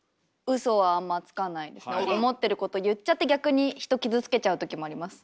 ウソはあんまつかないけど思ってること言っちゃって逆に人傷つけちゃう時もあります。